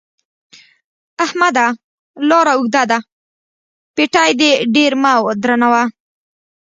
احمده! لاره اوږده ده؛ پېټی دې ډېر مه درنوه.